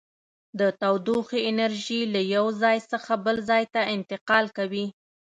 د تودوخې انرژي له یو ځای څخه بل ځای ته انتقال کوي.